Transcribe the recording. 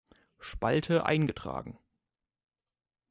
Spalte eingetragen.